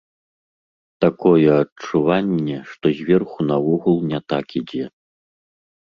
Такое адчуванне, што зверху наогул не так ідзе.